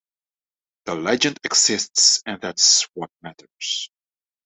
The legend exists, and that's what matters.